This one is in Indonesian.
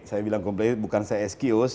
saya bilang komplain bukan saya excuse